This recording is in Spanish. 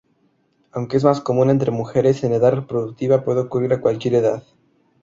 Aunque es más común entre mujeres en edad reproductiva, puede ocurrir a cualquier edad.